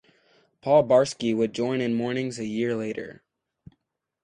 Paul Barsky would join in Mornings a year later.